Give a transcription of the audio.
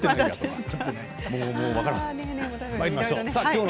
まいりましょう。